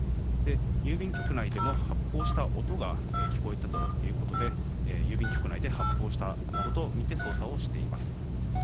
郵便局内でも発砲した音が聞こえたということで郵便局内で発砲したものとみて捜査をしています。